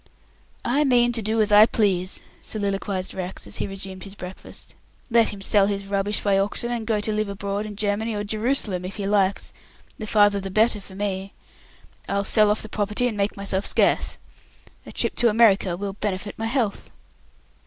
"I mean to do as I please," soliloquized Rex, as he resumed his breakfast. "Let him sell his rubbish by auction, and go and live abroad, in Germany or Jerusalem if he likes, the farther the better for me. I'll sell the property and make myself scarce. A trip to America will benefit my health."